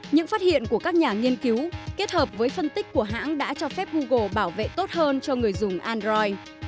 những phát hiện của các nhà nghiên cứu kết hợp với phân tích của hãng đã cho phép google bảo vệ tốt hơn cho người dùng android